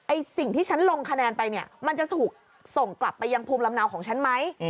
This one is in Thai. สิ่งที่ฉันลงคะแนนไปเนี่ยมันจะถูกส่งกลับไปยังภูมิลำเนาของฉันไหม